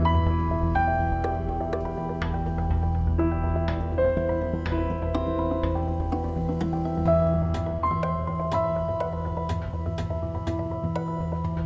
masih ada yang ketinggalan